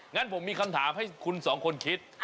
งั้นผมมีคำถามให้คุณสองคนคิด